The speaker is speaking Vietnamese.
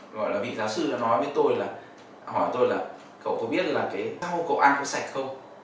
gọi là vị giáo sư đã nói với tôi là hỏi tôi là cậu có biết là cái câu cậu ăn có sạch không